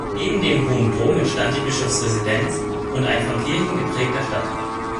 Neben dem Hohen Dom entstand die Bischofsresidenz und ein von Kirchen geprägter Stadtteil.